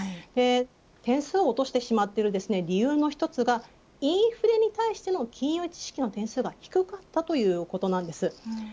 点数を落としてしまっている理由の一つがインフレに対しての金融知識の点数が低かったということなんです。